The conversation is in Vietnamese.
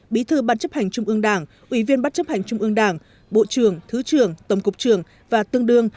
bí thư ban chấp hành trung ương đảng ủy viên ban chấp hành trung ương đảng bộ trưởng thứ trưởng tổng cục trường và tương đương